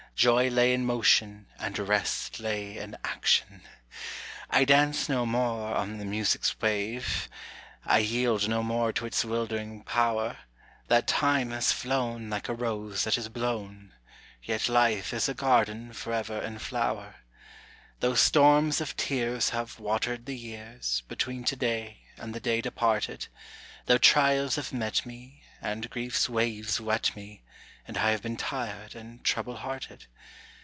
Joy lay in motion, and rest lay in action. I dance no more on the music's wave, I yield no more to its wildering power, That time has flown like a rose that is blown, Yet life is a garden forever in flower. Though storms of tears have watered the years, Between to day and the day departed, Though trials have met me, and grief's waves wet me, And I have been tired and trouble hearted.